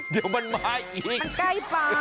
เดี๋ยวมันมาอีกมันใกล้ฟ้า